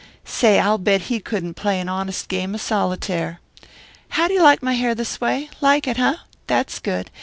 Say, I'll bet he couldn't play an honest game of solitaire. How'd you like my hair this way? Like it, eh? That's good.